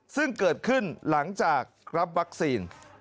ซึ่งเกิดขึ้นหลังจากรับวัคซีน